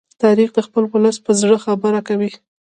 تاریخ د خپل ولس د زړه خبره کوي.